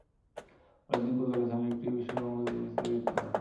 পরের দিন কোতোয়ালি থানার একটি বিস্ফোরক মামলায় তাঁকে গ্রেপ্তার দেখায় পুলিশ।